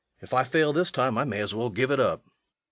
If I fail this time I may as well give it up.